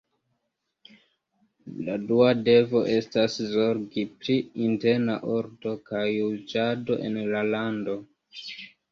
La dua devo estas zorgi pri interna ordo kaj juĝado en la lando.